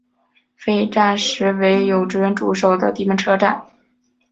废站时为有职员驻守的地面车站。